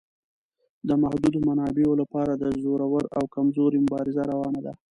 د محدودو منابعو لپاره د زورور او کمزوري مبارزه روانه ده.